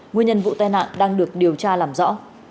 nguyên nhân vụ tai nạn đang được điều tra làm rõ